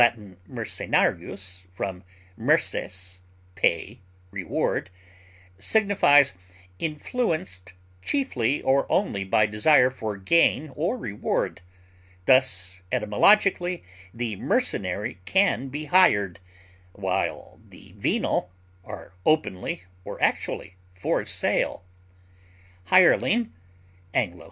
mercenarius, from merces, pay, reward) signifies influenced chiefly or only by desire for gain or reward; thus, etymologically, the mercenary can be hired, while the venal are openly or actually for sale; hireling (AS.